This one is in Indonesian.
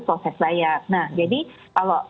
proses layak nah jadi kalau